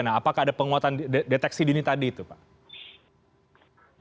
nah apakah ada penguatan deteksi dini tadi itu pak